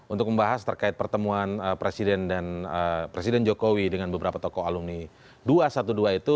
untuk membahas terkait pertemuan presiden jokowi dengan beberapa tokoh alumni dua ratus dua belas itu